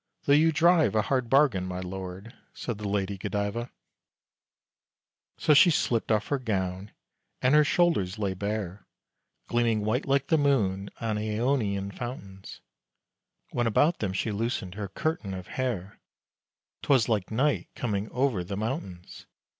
Though you drive a Hard bargain, my lord," said the Lady Godiva. So she slipped off her gown, and her shoulders lay bare, Gleaming white like the moon on Aonian fountains; When about them she loosened her curtain of hair, 'Twas like Night coming over the mountains!